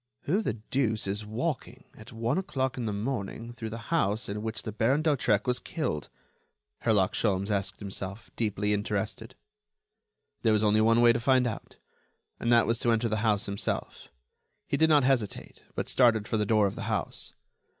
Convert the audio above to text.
"Who the deuce is walking, at one o'clock in the morning, through the house in which the Baron d'Hautrec was killed?" Herlock Sholmes asked himself, deeply interested. There was only one way to find out, and that was to enter the house himself. He did not hesitate, but started for the door of the house.